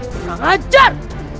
tidak ajar